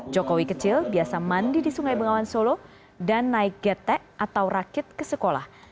jokowi kecil biasa mandi di sungai bengawan solo dan naik getek atau rakit ke sekolah